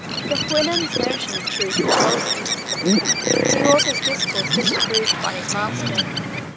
The Houyhnhnms' notion of truth and falsehood. The author's discourse disapproved by his master.